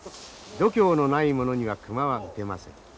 度胸のない者には熊は撃てません。